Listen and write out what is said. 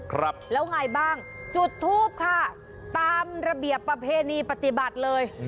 ครับแล้วไงบ้างจุดทูปค่ะตามระเบียบประเพณีปฏิบัติเลย